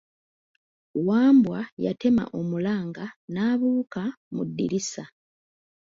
Wambwa yattema omulanga n'abuuka mu ddirisa.